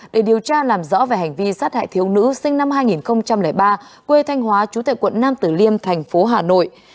để điều tra làm rõ về hành vi sát hại thiếu nữ sinh năm hai nghìn ba quê thanh hóa chú tệ quận nam tử liêm thành phố hà nội